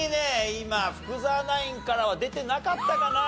今福澤ナインからは出てなかったかな